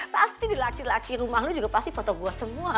pasti di laci laci rumah lo juga pasti foto gue semua